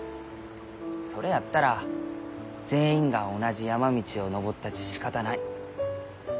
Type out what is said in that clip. それやったら全員が同じ山道を登ったちしかたない。